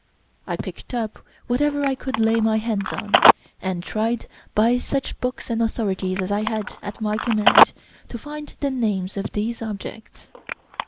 I picked up whatever I could lay my hands on, and tried, by such books and authorities as I had at my command, to find the names of these objects.